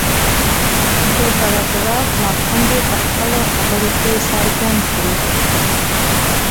د پراګراف مفهوم دې په خپلو خبرو کې څرګند کړي.